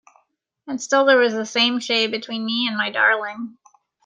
And still there was the same shade between me and my darling.